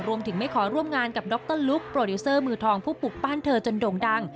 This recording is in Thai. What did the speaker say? ไม่ขอร่วมงานกับดรลุคโปรดิวเซอร์มือทองผู้ปลูกปั้นเธอจนโด่งดัง